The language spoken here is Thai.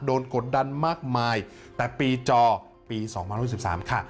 กดดันมากมายแต่ปีจอปี๒๐๑๓ค่ะ